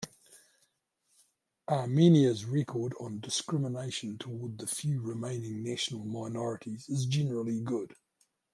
Armenia's record on discrimination toward the few remaining national minorities is generally good.